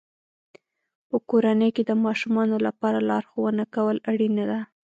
په کورنۍ کې د ماشومانو لپاره لارښوونه کول اړینه ده.